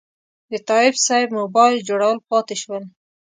د تایب صیب موبایل جوړول پاتې شول.